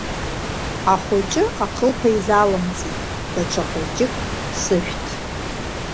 Ахәыҷы ахылԥа изалымҵит, даҽа хәыҷык сышәҭ!